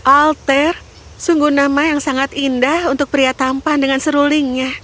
alter sungguh nama yang sangat indah untuk pria tampan dengan serulingnya